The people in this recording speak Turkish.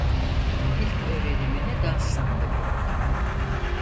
İlk öğrenimini Dağıstan'da gördü.